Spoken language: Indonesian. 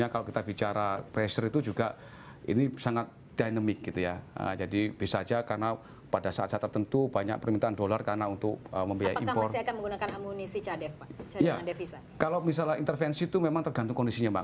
kalau misalnya intervensi itu memang tergantung kondisinya pak